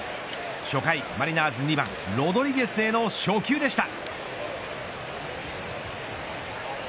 初回マリナーズ２番ロドリゲスへの初球でした。